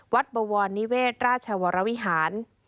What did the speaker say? บวรนิเวศราชวรวิหาร